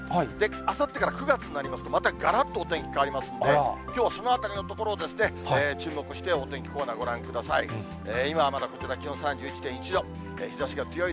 あさってから９月になりますと、また、がらっとお天気変わりますんで、きょうはそのあたりのところを注目してお天気コーナーご覧ください。